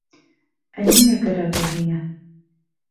Ә ниңә кәрәк ул һиңә?